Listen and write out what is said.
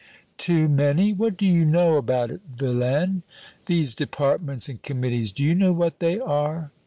"Too many? What do you know about it, vilain? These departments and committees, do you know what they are?"